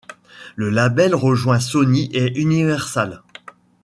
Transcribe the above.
Le label rejoint Sony et Universal.